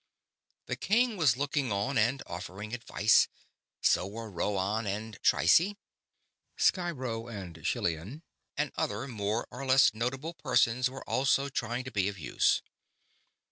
The king was looking on and offering advice. So were Rhoann and Trycie. Sciro and Schillan and other more or less notable persons were also trying to be of use.